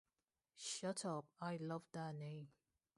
Shut up, I love that name!